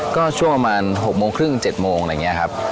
ก็ช่วงประมาณ๖โมงครึ่ง๗โมงอะไรอย่างนี้ครับ